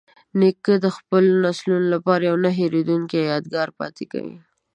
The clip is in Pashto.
نیکه د خپلو نسلونو لپاره یوه نه هیریدونکې یادګار پاتې کوي.